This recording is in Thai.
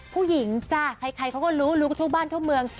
ผู้หญิงจ้ะใครเขาก็รู้รู้ทั่วบ้านทั่วเมือง